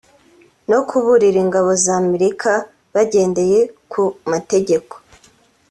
no kuburira ingabo za Amerika bagendeye ku mategeko